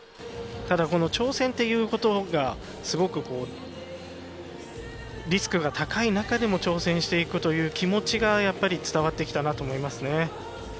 ただ挑戦っていう言葉がすごくリスクが高い中でも挑戦していくという気持ちが伝わってきたなと思いますね。